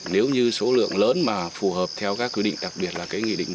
nếu như số lượng lớn mà phù hợp theo các quy định đặc biệt là nghị định một trăm bốn mươi hai